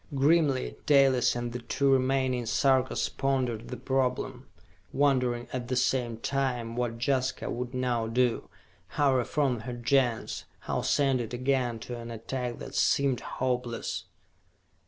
Grimly Dalis and the two remaining Sarkas pondered the problem, wondering at the same time what Jaska would now do, how reform her Gens, how send it again to an attack that seemed hopeless.